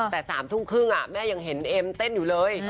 แต่๓ทุ่มครึ่งแม่ยังเห็นเอ็มเต้นอยู่เลย